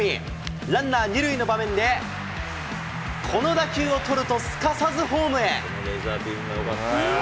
ランナー２塁の場面で、この打球をとると、すかさずホームへ。